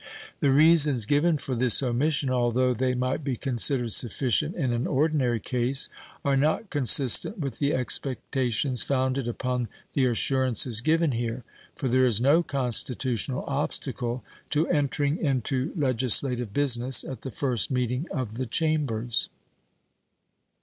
The reasons given for this omission, although they might be considered sufficient in an ordinary case, are not consistent with the expectations founded upon the assurances given here, for there is no constitutional obstacle to entering into legislative business at the first meeting of the Chambers.